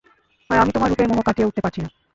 আর আমি তোমার রূপের মোহ কাটিয়ে উঠতে পারছি না।